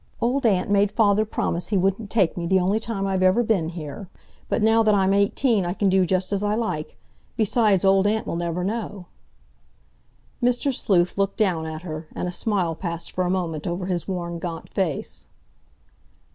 Old Aunt made father promise he wouldn't take me the only time I've ever been here. But now that I'm eighteen I can do just as I like; besides, Old Aunt will never know." Mr. Sleuth looked down at her, and a smile passed for a moment over his worn, gaunt face.